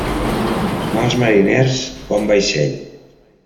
Mals mariners, bon vaixell.